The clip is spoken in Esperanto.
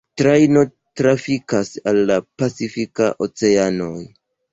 Trajno trafikas al la Pacifika oceano.